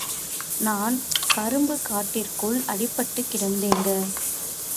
நான் கரும்புக் காட்டிற்குள் அடிபட்டுக் கிடந்தேங்க!